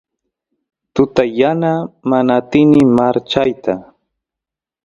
tuta yana mana atini marchayta